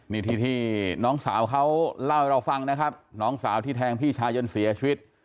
นี่ที่ที่น้องสาวเขาเล่าให้เราฟังนะครับน้องสาวที่แทงพี่ชายจนเสียชีวิต